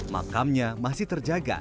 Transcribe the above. makamnya masih terjaga